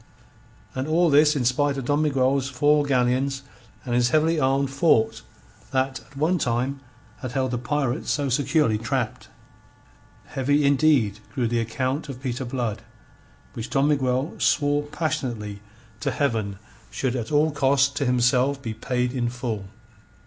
And all this in spite of Don Miguel's four galleons and his heavily armed fort that at one time had held the pirates so securely trapped. Heavy, indeed, grew the account of Peter Blood, which Don Miguel swore passionately to Heaven should at all costs to himself be paid in full.